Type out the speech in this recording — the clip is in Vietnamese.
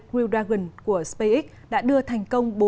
crew dragon của spacex đã đưa thành công